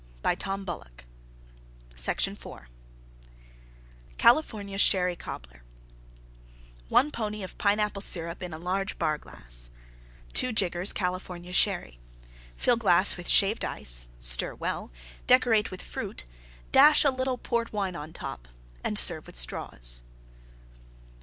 Grate Nutmeg on top and serve. CALIFORNIA SHERRY COBBLER 1 pony of Pineapple Syrup in large Bar glass. 2 jiggers California Sherry. Fill glass with Shaved Ice; stir well; decorate with Fruit; dash a little Port Wine on top and serve with Straws.